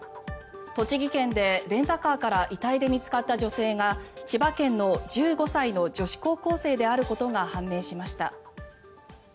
栃木県でレンタカーから遺体で見つかった女性が千葉県の１５歳の女子高校生であることが判明しました。